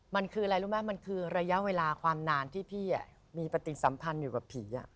มันคืออะไรรู้ไหมมันคือระยะเวลาความนานที่พี่มีปฏิสัมพันธ์อยู่กับผี